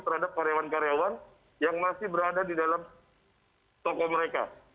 terhadap karyawan karyawan yang masih berada di dalam toko mereka